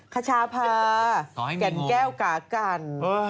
ขชาพาแก่นแก้วกากัน